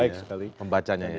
baik sekali pembacanya ya